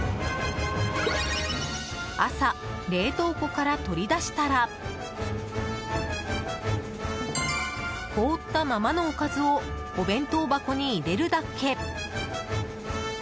朝、冷凍庫から取り出したら凍ったままのおかずをお弁当箱に入れるだけ。